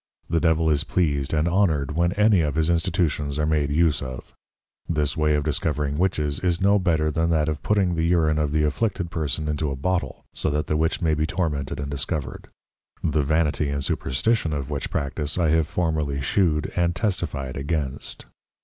_ The Devil is pleased and honoured when any of his Institutions are made use of; this way of discovering Witches, is no better than that of putting the Urine of the afflicted Person into a Bottle, that so the Witch may be tormented and discovered: The Vanity and Superstition of which practice I have formerly shewed, and testified against.